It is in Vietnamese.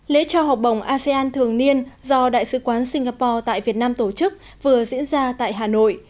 lễ trao học bổng asean thường niên do đại sứ quán singapore tại việt nam tổ chức vừa diễn ra tại hà nội